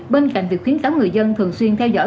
bên cạnh việc khuyến cáo người dân thường xuyên theo dõi